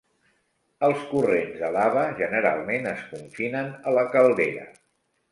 Els corrents de lava generalment es confinen a la caldera.